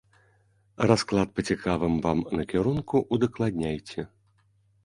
Расклад па цікавым вам накірунку ўдакладняйце.